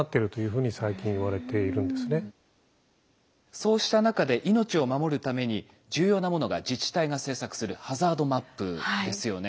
そうした中で命を守るために重要なものが自治体が制作するハザードマップですよね。